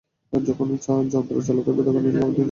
যখন যন্ত্র চালু থাকবে তখন এটি কাপড় দিয়ে ঢেকে রাখা যাবে না।